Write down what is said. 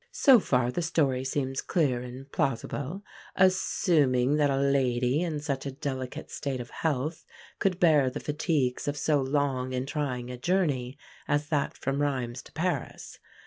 So far the story seems clear and plausible, assuming that a lady, in such a delicate state of health, could bear the fatigues of so long and trying a journey as that from Rheims to Paris.